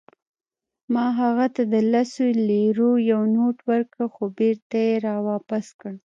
ما هغه ته د لسو لیرو یو نوټ ورکړ، خو بیرته يې راواپس کړ.